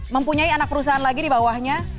mempunyai anak perusahaan lagi di bawahnya